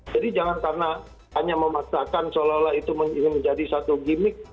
jadi jangan karena hanya memaksakan seolah olah itu menjadi satu gimmick